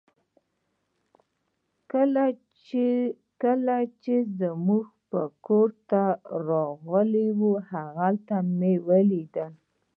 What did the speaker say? کله چې موږ کور ته راغلو هغه مو ولید